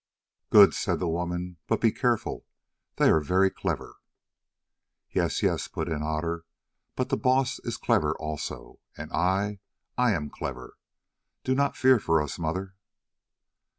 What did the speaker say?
"Good," said the woman, "but be careful. They are very clever." "Yes, yes," put in Otter, "but the Baas is clever also, and I, I am clever. Do not fear for us, mother."